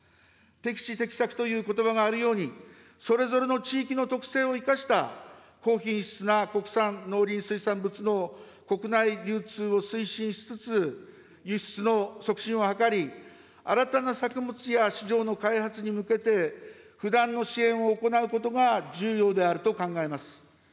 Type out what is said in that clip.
適地適作ということばがあるように、それぞれの地域の特性を生かした高品質な国産農林水産物の国内流通を推進しつつ、輸出の促進を図り、新たな作物や市場の開発に向けて、不断の支援を行うことが重要であると考えます。